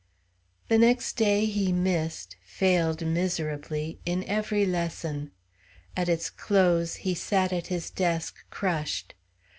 The next day he missed failed miserably in every lesson. At its close he sat at his desk, crushed.